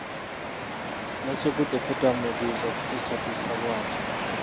Nnakigudde ffe twamuyigiriza okutiisatiisa bw’atyo.